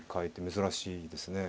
珍しいですね。